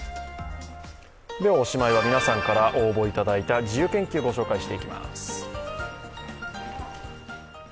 おしまいは、皆さんから応募いただいた自由研究をご紹介していきます。